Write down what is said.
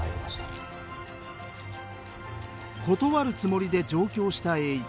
断るつもりで上京した栄一。